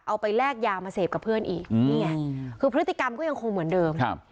แลกยามาเสพกับเพื่อนอีกนี่ไงคือพฤติกรรมก็ยังคงเหมือนเดิมครับ